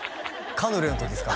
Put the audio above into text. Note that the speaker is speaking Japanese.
カヌレの時ですか？